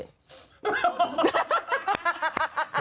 กลัวแล้ว